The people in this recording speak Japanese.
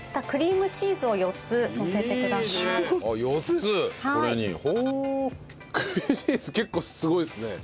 クリームチーズ結構すごいですね。